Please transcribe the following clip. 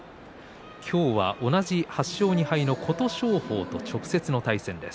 今日は同じ８勝２敗の琴勝峰と直接対決です。